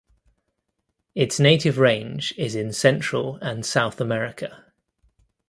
Its native range is in Central and South America.